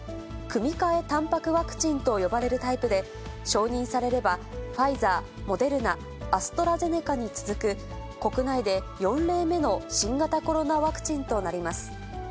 組み換えたんぱくワクチンと呼ばれるタイプで、承認されれば、ファイザー、モデルナ、アストラゼネカに続く国内で４例目の新型コロナワクチンとなります。